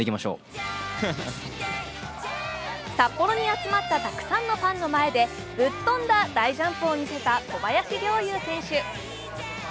札幌に集まったたくさんのファンの前でぶっ飛んだ大ジャンプを見せた小林陵侑選手。